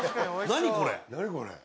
何これ？